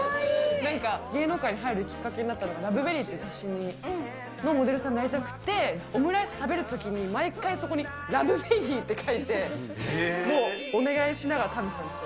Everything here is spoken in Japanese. なんか、芸能界に入るきっかけになったのが、ラブベリーっていう雑誌のモデルさんになりたくて、オムライス食べるときに、毎回、そこにラブベリーって書いて、もうお願いしながら食べてたんですよ。